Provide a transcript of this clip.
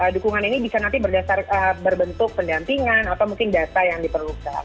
dukungan ini bisa nanti berbentuk pendampingan atau mungkin data yang diperlukan